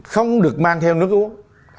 không được mang theo nước uống